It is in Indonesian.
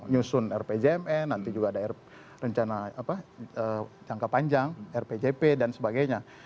nyusun rpjmn nanti juga ada rencana jangka panjang rpjp dan sebagainya